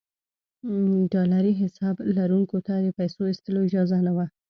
ډالري حساب لرونکو ته د پیسو ایستلو اجازه نه وه.